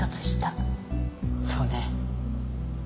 そうね。